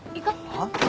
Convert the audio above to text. はっ？